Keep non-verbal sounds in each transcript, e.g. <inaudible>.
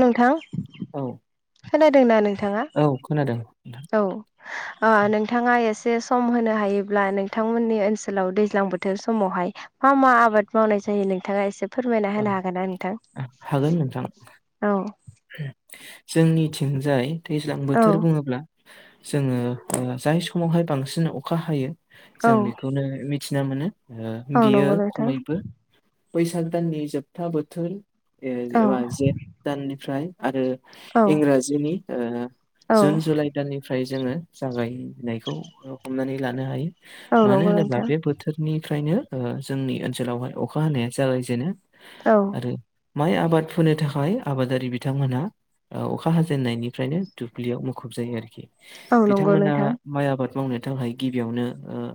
नोंथां औ खोनादोंना नोंथाङा? औ खोनादों नोंथां। औ। नोंथाङा एसे सम होनो हायोब्ला नोंथांमोननि ओनसोलाव दैज्लां बोथोर समावहाय मा मा आबाद मावनाय जायो नोंथाङा एसे फोरमायना औ होनो हागोनना नोंथां? आ, हागोन नोंथां औ। जोंनिथिंजाय दैज्लां औ बोथोर बुङोब्ला जोङो जाय समावहाय बांसिन अखा हायो औ जों बेखौनो मिथिना मोनो औ बियो नंगौ नोंथां खमैबो बैसाग दाननि जोबथा बोथोर औ एबा जेठ दाननिफ्राय आरो औ इंराजिनि औ जुन जुलाइ गोदाननिफ्राय जोङो जागायनायखौ हमनानै लानो हायो। औ मानो नंगौ होनोब्ला नोंथां बे बोथोर निफ्रायनो जोंनि ओनसोलावहाय अखा हानाया जागायजेनो। औ। आरो माइ आबाद फो थाखाय आबादारि बिथांमोनहा अखा हाजेननायनिफ्रायनो दुब्लियाव मुखुब जायो आरोखि। औ नंगौ बिथांमोना नोंथां माइ आबाद मावनो थाखाय गिबियावनो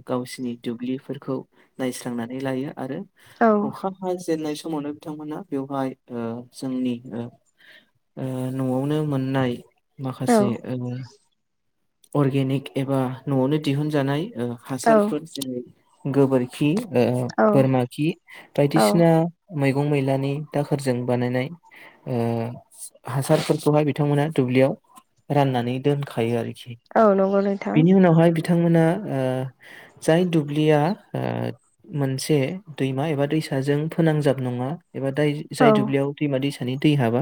गावसिनि दुब्लिफोरखौ नायस्रांनानै लायो आरो औ अखा हाजेननाय समावनो बिथांमोना बेवहाय जोंनि न'आवनो मोननाय औ माखासे अर्गेनिक एबा न'आवनो दिहुनजानाय हासारफोर जेरै गोबोरखि बोरमा खि औ बायदिसिना मैगं मैलानि दाखोरजों बानायनाय हासारफोरखौहाय बिथांमोना दुब्लियाव राननानै दोनखायो आरोखि। औ नंगौ नोंथां बिनि उनावहाय बिथांमोना जाय दुब्लिया मोनसे दैमा एबा दैसाजों फोनांजाब नङा एबा दाय जाय औ औ दुब्लियाव दैमा दैसानि दै हाबा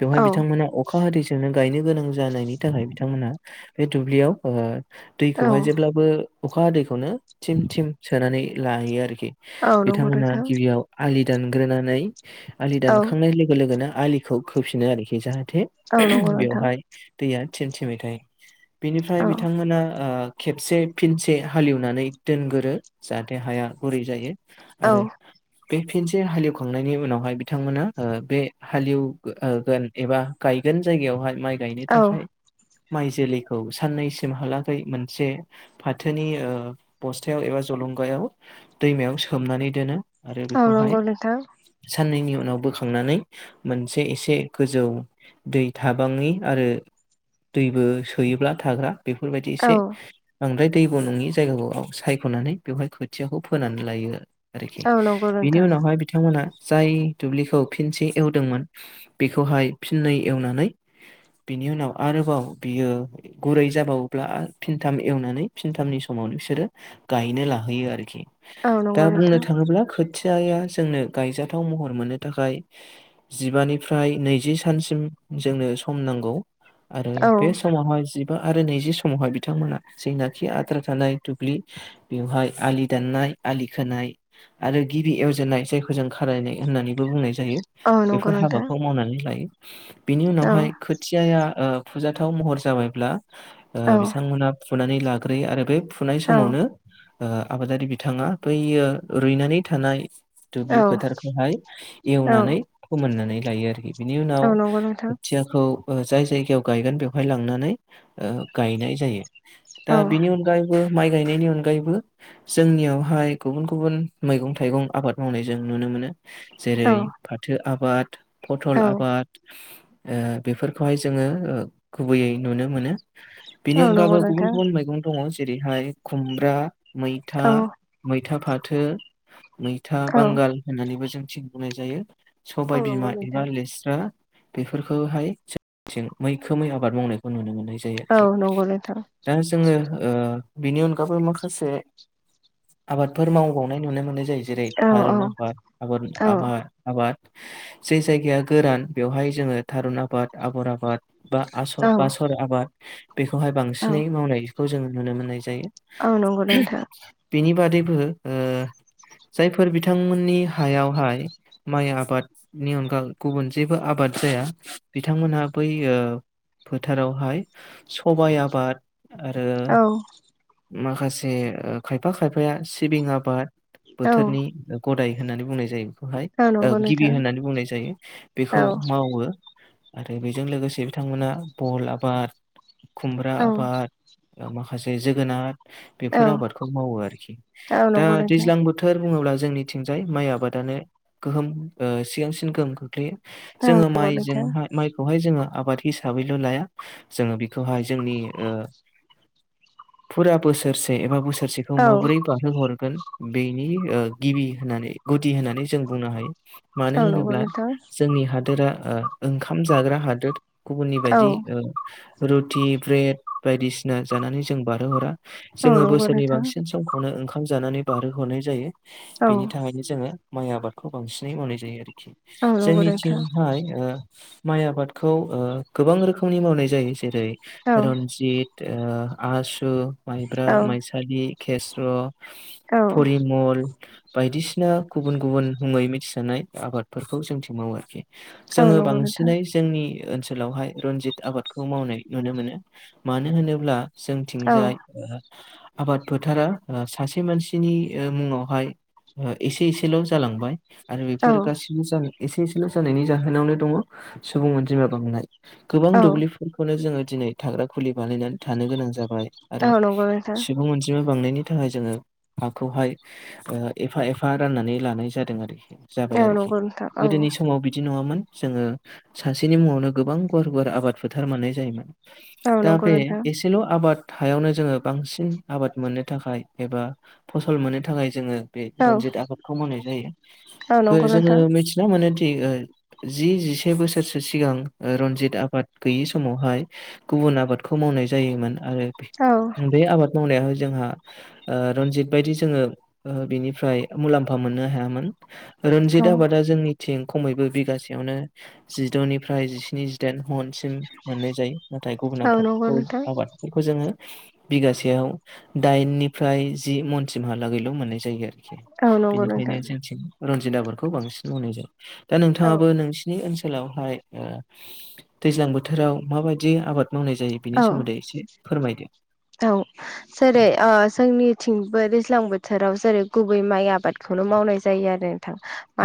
बेवहाय बिथांमोना अखा हादैजोंनो गायनो गोनां जायो जानायनि थाखाय बिथांमोनहा बे दुब्लियाव औ दैखौहाय जेब्लाबो अखा हादैखौनो थिम थिम सोनानै लाहैयो आरोखि औ नंगौ बिथांमोना नोंथां गिबियाव आलि दानग्रोनानै आलि औ दानखांनाय लोगो लोगोनो आलिखौ खोफिनो आरोखि जाहाथे औ नंगौ नोंथां बेवहाय दैया थिम थिमै थायो औ बेनिफ्राय बिथांमोना खेबसे फिनसे हालेवनानै दोनगोरो जाहाथे हाया गुरै जायो औ आरो बे फिनसे हालेवखांनायनि उनावहाय बिथांमोना बे हालेवगोन एबा गायगोन जायगायावहाय माइ गायनो औ थाखाय माइ जोलैखौ साननैसिमहालागै मोनसे फाथोनि बस्थायाव एबा जलंगायाव दैमायाव सोमनानै दोनो। आरो औ बेखौहाय नंगौ नोंथां साननैनि उनाव बोखांनानै मोनसे एसे गोजौ दै थाबाङै आरो दैबो सोयोब्ला थाग्रा बेफोरबायदि औ एसे बांद्राय दैब' नङि जायगाखौ सायख'नानै बेवहाय खोथियाखौ फोनानै लायो आरोखि औ नंगौ बिनि नोंथां उनावहाय बिथांमोनहा जाय दुब्लिखौ फिनसे एवदोंमोन बेखौहाय फिननै एवनानै बेनि उनाव आरोबाव बियो गुरै जाबावोब्ला फिनथाम एवनानै फिनथामनि समाव बिसोरो गायनो लाहैयो आरोखि औ दा नंगौ बुंनो नोंथां थाङोब्ला खाथियाया जोंनो गायजाथाव महर मोननो थाखाय जिबानिफ्राय नैजि सानसिम जोंनो सम नांगौ आरो औ बेवहाय जिबा आरो नैजि समावहाय बिथांमोनहा जायनाखि आद्रा थानाय दुब्लि बेवहाय आलि दाननाय आलि खोनाय आरो गिबि एवजेननाय जायखौ जों खारायनाय होननानैबो बुंनाय जायो औ नंगौ बेफोर नोंथां हाबाखौ मावनानै लायो बिनि औ उनावहाय खोथियाया फुजाथाव महर जाबायब्ला औ बिथांमोनहा फुनानै लाग्रोयो आरो बे फुनाय औ समावन आबादारि बिथाङा बैयो रुइनानै थानाय दुब्लि औ फोथारखौहाय औ एवनानै फोमोननानै लायो आरोखि बिनि उनाव औ नंगौ नोंथां खोथियाखौ जाय जायगायाव गायगोन बेवहाय लांनानै गायनाय जायो दा औ बेनि अनगायै माइ गायनायनि अनगायैबो जोंनियावहाय गुबुन गुबुन मैगं थाइगं आबाद मावनाय जों नुनो मोनो जेरै औ फाथो आबाद फथल औ आबाद बेफोरखौहाय जोङो गुबैयै नुनो मोनो बिनि औ नंगौ अनगाबो गुबुन नोंथां गुबुन मैगं दङ जेरैहाय खुमब्रा मैथा औ मैथा फाथो मैथा औ बांगाल होननानैबो जोंनिथिं बुंनाय जायो औ सबाय बिमा नंगौ एबा नोंथां लेस्रा बेफोरखौहाय जोंनिथिं मैखोमै आबाद मावनायखौ नुनो मोननाय जायो औ आरोखि नंगौ नोंथां दा जोङो बिनि अनगाबो माखासे आबादफोर मावबावनाय नुनो मोननाय जायो जेरै औ औ थारुन आबाद आबाद औ आबाद जाय जायगाया गोरान बेवहाय जोङो थारुन आबाद आबर आबाद बा आसर औ बासर आबाद बेखौहाय बांसिनै मावनायखौ जोङो नुनो मोननाय जायो औ नंगौ नोंथां बेनि बादैबो जायफोर बिथांमोननि हायावहाय माइ आबादनि अनगा गुबुन जेबो आबाद जाया बिथांमोनहा बै फोथारावहाय सबाइ आबाद आरो औ माखासे ओ खायफा-खायफाया सिबिं आबाद औ बोथोरनि गदाय होननानै बुंनाय जायो। बेखौहाय औ नंगौ गिबि नोंथां होननानै बुंनाय जायो। औ बेखौ मावो। आरो बेजों लोगोसे बिथांमोना बल आबाद खुमब्रा औ आबाद माखासे जोगोनार बेफोर आबादखौ मावो आरोखि। औ दा नंगौ दैज्लां नोंथां बोथोर बोथोर बुङोब्ला जोंनिथिंजाय माइ आबादानो गोहोम सिगांसिन गोहोम खोख्लैयो। औ जोङो नंगौ नोंथां औ माइजोंहाय माइखौहाय जोङो आबाद हिसाबैल' लाया जोङो बेखौहाय जोंनि ओ फुरा बोसोरसे एबा बोसोरसे थ माबोरै औ बारहोहरगोन बेनि गिबि होननानै गुदि होननानै जों बुंनो हायो। मानो नंगौ होनोब्ला नोंथां औ जोंनि हादोरा ओ ओंखाम जाग्रा हादोर। गुबुननि बायदि ओ रुटि ब्रेड बायदिसिना जानानै जों बारहोहरा। औ नंगौ नोंथां जोङो बोसोरनि बांसिन समखौ नो ओंखाम जानानै बारहोहरनाय जायो। औ बेनि थाखायनो जोङो माइ आबादखौ बांसिनै मावनाय जायो आरोखि। औ नंगौ नोंथां जोंनिथिंहाय ओ माइ आबादखौ ओ गोबां रोखोमनि मावनाय जायो। जेरै औ रन्जित, ओ आसु, माइब्रा, औ माइसालि, खेस्र', औ फरिमल, बायदिसिना गुबुन गुबुन मुङै मिथिजानाय आबादफोरखौ जोंथिं मावो आरोखि। औ जोङो नंगौ नोंथां बांसिनै जोंनि ओनसोलावहाय रनजित आबादखौ मावनाय नुनो मोनो। मानो होनोब्ला औ जोंथिंजाय ओ आबाद फोथारा ओ सासे मानसिनि मुङावहाय एसे एसेल' जालांबाय। आरो औ बेफोर गाससिबो जा एसे एसेल' जानायनि जाहोनावनो दङ सुबुं अनजिमा बांनाय। गोबां औ दुब्लिफोरखौनो जोङो दिनै थाग्रा खुलि बानायनानै थानो गोनां जाबाय। औ आरो नंगौ नोंथां सुबुं अनजिमा बांनायनि बे थाखाय जोङो हाखौहाय एफा एफा राननानै लानाय जादों आरोखि। जाबाय औ आरोखि नंगौ नोंथां औ गोदोनि समाव बिदि नङामोन। जोङो सासेनि मुावनो गोबां गुवार गुवार आबाद फोथार मोननाय जायोन औ दा नंगौ बे नोंथां ससेल' आबाद हायावनो जोङो बांसिन आबाद मोननो थाखाय एबा फसल मोननो थाखाय जोङो बे औ रन्जित आबादखौ मावनाय जायो औ नंगौ नोंथां जोङो। जा मोनो थि ओ जि जिसे बोसोर सिगां रनजित आबाद गैयि समावहाय गुबुन आबादखौ मावनाय जायोमोन। आरो औ बे आबाद मावनाया जोंहा ओ रनजित बायदि जोङो ओ बिनिफ्राय मुलाम्फा मोननो हायामोन। औ रनजित आबादा जोंनिथिं खमैबो बिगासेयावनो जिद'निफ्राय जिस्नि जिदाइन हनसिम मोननाय जायो। नाथाय गुबुन औ नंगौ आबादखौ नोंथां आबाद बेखौ जोङो बिगासेयाव दाइननिफ्राय जि मनसिमहालागैल' मोननाय जायो आरोखि औ नंगौ बेनिखायनो नोंथां जोंथिं रनजिताफोरखौ बांसिन मावनाय जायो। दा औ नोंथाङाबो नोंसिनि ओनसोल ओनसोलावहाय ओ दैज्लां बोथोराव माबायदि आबाद मावनाय जायो बिनि औ सोमोन्दै एसे फोरमायदो। औ जेरै जोंनिथिंबो दैज्लां बोथोराव जेरै गुबै माइ आबाद खौनो मावनाय जायो आरो नोंथां।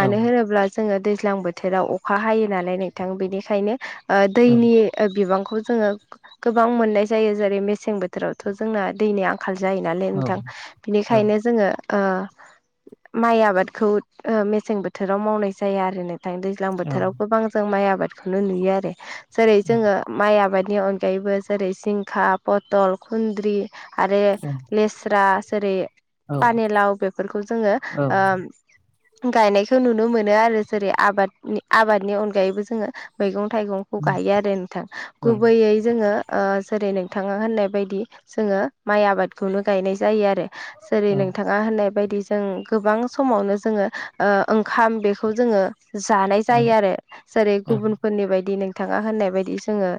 औ होनोब्ला जोङो दैज्लां बोथोराव अखा हायो नालाय नोंथां बेनिखायनो ओ औ दैनि ओ बिबांखौ जोङो गोबां मोननाय जायो। जेरै मेसें बोथोर थोरावथ' जोंना दैनि आंखाल जायो नालाय औ नोंथां। औ बिनिखायनो जोङो ओ माइ आबादखौ ओ मेसें बोथोराव मावनाय जाया आरो नोंथां। दैज्लां औ बोथोराव गोबां जों माइ आबादखौनो नुयो आरो। जेरै औ जोङो माइ आबादनि अनगायैबो जेरै सिंखा पथल खुन्द्रि आरो औ लेस्रा जेरै पानि लाव बेफोरखौ जोङो औ गायनायखौ नुनो मोनो आरो जेरै आबादनि आबादनि अनगायैबो जोङो मैगं थाइगंखौ गायो आरो नोंथां औ गुबैयै जोङो जेरै नोंथाङा होननाय बायदि जोङो माइ आबादखौनो गायनाय जायो आरो जेरै नोंथ औ मा होननाय बायदि जों गोबां समावनो जोङो ओंखाम बेखौ जोङो जानाय जायो आरो जेरै गुबुनफोरनि बायदि नोंथाङा होननाय बायदि जोङो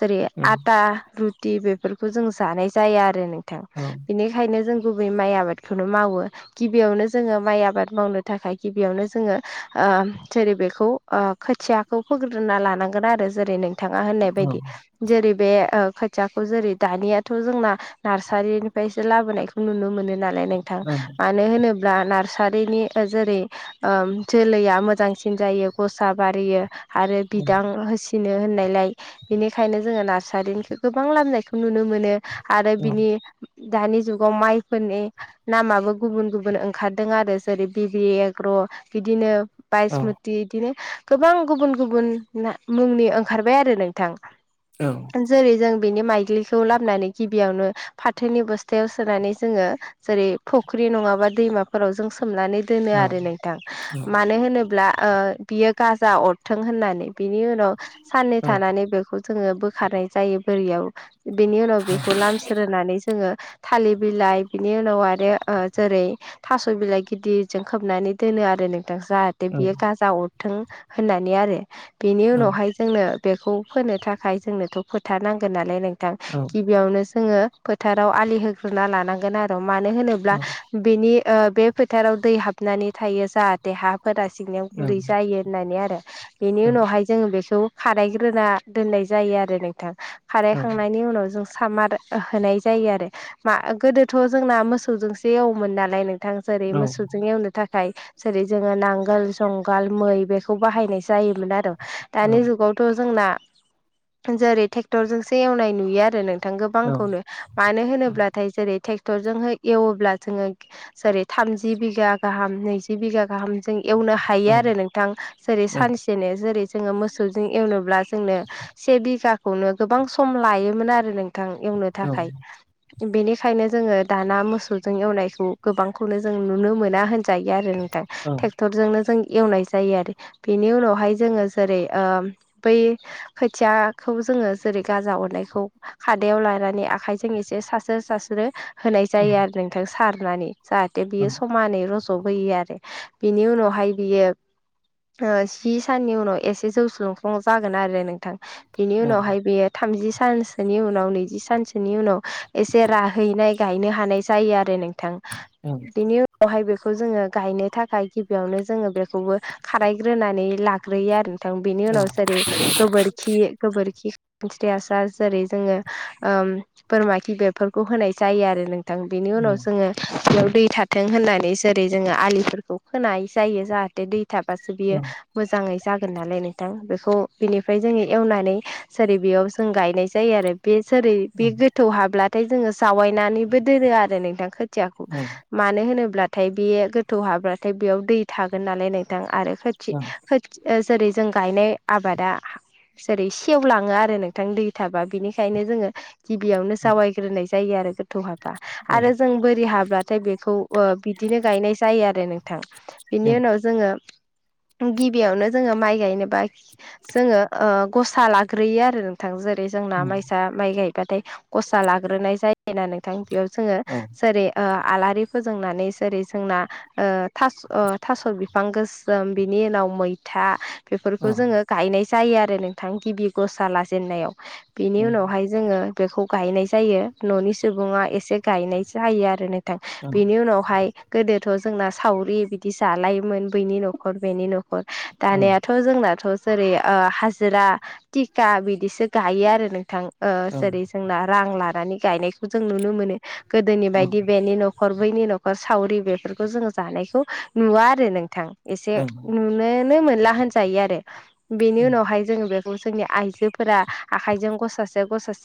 जेरै ओं आटा रुटि बेफोरखौ जों जानाय जाया आरो नोंथां औ बेनिखायनो जों गुबै माइ आबादखौनो मावो गिबियावनो जोङो माइ आबाद मावनो थाखाय गिबियावनो जोङो जेरै बेखौ अ खोथियाखौ फोग्रोना लानांगोन आरो जेरै नों बिथाङा होननाय बायदि ओं जेरै बे खोथियाखौ जेरै दानियाथ' जोंना नार्सारिनिफ्रायसो लाबोनायखौ नुनो मोनो नालाय नोंथां म औ मानो होनोब्ला नार्सारिनि जेरै ओ जोलैया मोजांसिन जायो गसा बारियो आरो ओं बिदां होसिनो होननायलाय बिनिखायनो जोङो नार्सारिनिखौ गोबां लामनायखौ नुनो मोनो आरो ओं बिनि दानि जुगाव माइफोरनि नामाबो गुबुन गुबुन ओंखारदों आरो जेरै बिबि एग्र' बिदिनो औ बायसमुत बिदि इदिनो गोबां गुबुन गुबुन मुंनि ओंखारबाय आरो नोंथां औ जेरै जों बेनि माइग्लिखौ लाबोनानै गिबियावनो फाथोनि बस्थायाव सोनानै जोङो जेरै फख्रि नङाबा दैमाफोराव जों सोमनानै दोनो आरो नोंथां औ मानो होनोब्ला ओ बियो गाजा अरथों होननानै बिनि उनाव साननै थानानै बेखौ जोङो बोखारनाय जायो बोरियाव बेनि उनाव बेखौ लाम रोंानै जोङो थालिर बिलाइ बिनि उनाव आरो ओ जेरै थास' बिलाइ गिदिरजों खोबनानै दोनो आरो नोंथां जा बियो गाजा अरथों होननानै आरो बेनि उनावहाय जोंनो बेखौ फोनो थाखाय जोंनोथ' फोथा नांगोन नालाय नो औ गिबियावनो जोङो फोथाराव आलि होग्रोना लानांगोन आरो मानो होनोब्ला औ बेनि बे फोथाराव दै हाबनानै थायो जाहाथे हाब फोरा सिंनायाव गुरै ओं जायो होननानै आरो बेनि औ उनावहाय जों बेखौ खारायग्रोना दोननाय जायो आरो नोंथां औ खारायखांनायनि उनाव जों सामार होनाय जायो आरो मा गोदोथ' जोंना मोसौजोंसो एवोमोन नालाय नों ां जेरै मोसौजों एवनो थाखाय थाय जेरै जोङो नांगोल जुंगाल मै बेखौ बाहायनाय जायोमोन आरो औ दानि जुगावथ' जोंना जेरै ट्रेक्टरजोंसो एवनाय नुयो आरो नों नथां औ गोबांखौनो मानो होनोब्लाथाय जेरै ट्रेक्टरजोंह एवोब्ला जोङो जेरै थामजि बिघा गाहाम नैजि बिघा गाहाम जों एवनो औ हायो आरो नोंथां जेरै औ सानसे ै जेरै ़ सम लायोमोन आरो नोंथां एवनो थाखाय बेनिखायनो जोङो दाना मोसौजों एवनायखौ गोबांखौनो जों नुनो मोना होनजायो आरो नोंथां ि औ डक्टरजोंनो जों एवनाय जायो आरो बेनि उनावहाय जोङो जेरै ओ बै खोथियाखौ जोङो जेरै गाजा अरनायखौ खादायाव लानानै आखायजों एसे सास्रो सास्रो होनाय जायो आरो नों थों सारनानै जाहाथे औ बियो समानै रज'बोयो आरो बिनि उनावहाय बियो जि साननि उनाव एसे जौ स्लुंफ्लुं जागोन आरो नोंथां बिनि उनावहाय बेयो थामजि सानसोनि उनाव नैजि सानसोनि उनाव एसे राहैनाय गायनो हानाय जायो आरो नोंथां बिनि बेवहाय बेखौ जोङो गायनो थाखाय गिबियावनो जोङो बेखौबो खारायग्रोनानै लाग्रोयो आरो। थां बेनि उनाव जेरै गोबोरखि गोबोरखि खानस्रि हासार जेरै जोङो ओम बोरमा खि बेफोरखौ होनाय जायो आरो नों थां बेनि उनाव जोङो फोथाराव दै थाथों होननानै जेरै जोङो आलिफोरखौ खोनाय जायो जाहाथे दै थाबासो बियो मोजाङै जागोन नालाय नोंथां बेखौ बिनिफ्राय जोङो एवनानै जेरै बेयाव जों गायनाय जायो आरो बे जैरै बे गोथौ हाब्ला जोङो जावायनानैबो दोनो आरो नोंथां खोथियाखौ। मानो होनोब्लाथाय बे गोथौ हाबाथाय बेयाव दै थागोन नालाय नोंथां आरो खोथि खो ए जेरै जों गायनाय आबादा जेरै सेवलाङो आरो नोंथां दै थाबा बिनिखायनो जोङो गिबियावनो जावायग्रोनाय जायो आरो गो थौ हाबा औ आरो जों बोरि हाब्लाथाय बेखौ ओ बिदिनो गायनाय जायो आरो नों थां बिनि उनाव जोङो गिबियावनो जोङो माइ गायनोबा जोङो ओ ग सा लाग्रोयो आरो नोंथां जेरै जोंना माइसा माइ गायबाथाय गसा लाग्रोनाय जायो। <unintelligible> नोंथां बेयाव जोङो जेरै ओ आलारि फोजोंनानै जेरै जोंना ओ थास ओ थास' बिफां गोसोम बिनि उनाव मैथा बेफोरखौ जोङो गायनाय जायो आरो नोंथां गिबि गसा लाजेननायाव बिनि उनावहाय जोङो बेखौ गायनाय जायो न'नि सुबुङा एसे गायनाय जायो आरो नों थां बिनि उनावहाय गोदोथ' जोंना सावरि बिदि जालायोमोन बैनि न'खर बेनि न'खर दानियाथ' अ जोंनाथ' जेरै ओ हाजिरा टिका बिदिसो गायो आरो नोंथां। ओ जेरै जोंना रां लानानै गायनायखौ जों नुनो मोनो गोदोनि बायदि बेनि न' खर बैनि न'खर सावरि बेफोरखौ जोङो जानायखौ नुवा आरो नोंथां। एसे औ नुनो नो मोनला होनजायो आरो औ बेनि उनावहाय जोङो बेखौ जोंनि आइजोफोरा आखायजों गसासे गसासे